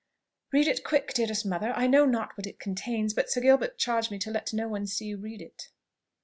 "Read it quick, dearest mother! I know not what it contains; but Sir Gilbert charged me to let no one see you read it."